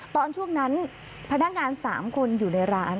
ตอนช่วงนั้นพนักงาน๓คนอยู่ในร้าน